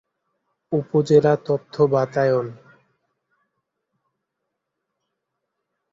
উপজেলা তথ্য বাতায়ন